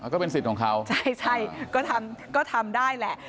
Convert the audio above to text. ก็เป็นสิทธิ์ของเขาใช่ก็ทำก็ทำได้แหละ